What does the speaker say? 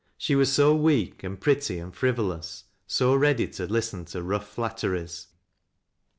She was so weak, and pretty, and frivolous, 80 ready to listen to rough flatteries.